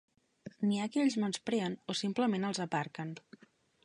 N'hi ha que els menyspreen o simplement els aparquen.